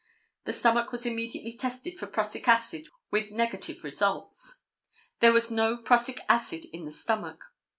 The stomach was immediately tested for prussic acid with negative results. There was no prussic acid in the stomach.